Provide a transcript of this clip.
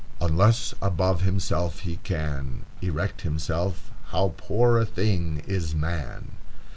"Unless above himself he can Erect himself, how poor a thing is man!"